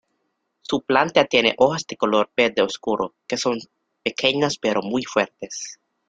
Su planta tiene hojas de color verde oscuro que son pequeñas pero muy fuertes.